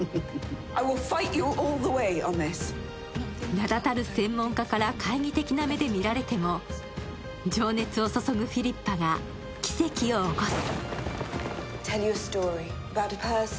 名だたる専門家から懐疑的な目で見られても情熱を注ぐフィリッパは奇跡を起こす。